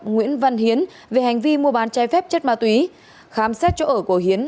nguyễn văn hiến về hành vi mua bán chai phép chất ma túy khám xét chỗ ở của hiến